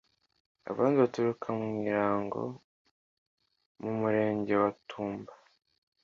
abandi baturuka mu Irango (mu Murenge wa Tumba)